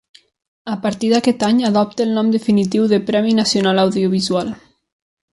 A partir d'aquest any adopta el nom definitiu de Premi Nacional d'Audiovisual.